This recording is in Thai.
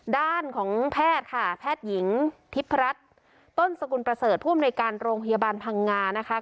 ด้านของแพทย์ค่ะแพทย์หญิงทิพรัฐต้นสกุลประเสริฐผู้อำนวยการโรงพยาบาลพังงานะคะ